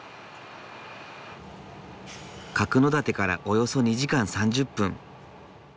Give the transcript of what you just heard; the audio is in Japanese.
角館からおよそ２時間３０分。